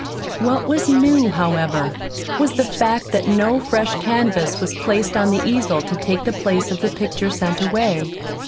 What was new, however, was the fact that no fresh canvas was placed on the easel to take the place of the picture sent away.